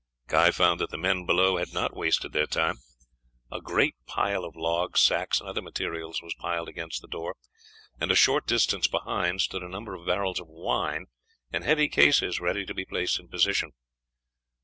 Guy found that the men below had not wasted their time. A great pile of logs, sacks, and other materials was piled against the door, and a short distance behind stood a number of barrels of wine and heavy cases ready to be placed in position.